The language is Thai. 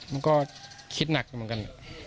มันก็คิดหนักอยู่เหมือนกัน